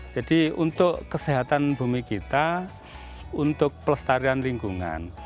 untuk kesehatan bumi kita untuk pelestarian lingkungan